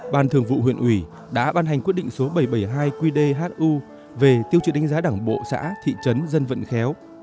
ban thường vụ huyện ủy đã ban hành quyết định số bảy trăm bảy mươi hai qdhu về tiêu chuẩn đánh giá đảng bộ xã thị trấn dân vận khéo